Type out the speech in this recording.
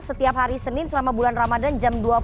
setiap hari senin selama bulan ramadan jam dua puluh